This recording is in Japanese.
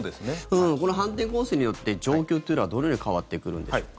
この反転攻勢によって状況というのは、どのように変わってくるんでしょうか。